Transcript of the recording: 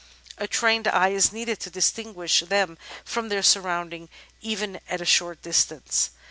A trained eye is needed to distinguish them from their surroundings, even at a short distance.